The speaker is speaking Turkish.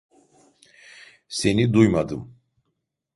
Seni duymadım.